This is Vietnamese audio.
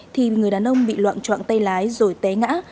thì một người đàn ông bị loạn trọn tay lái rồi té ngã